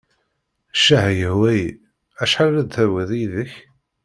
Ccah yehwa-yi. Acḥal ara d-tawiḍ yid-k?